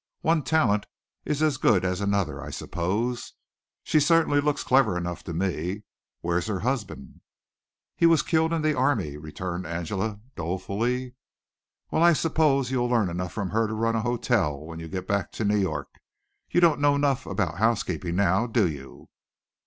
"One talent is as good as another, I suppose. She certainly looks clever enough to me. Where is her husband?" "He was killed in the army," returned Angela dolefully. "Well I suppose you'll learn enough from her to run a hotel when you get back to New York. You don't know enough about housekeeping now, do you?"